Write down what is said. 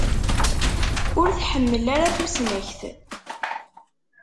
Ur tḥemmel ara tusnakt.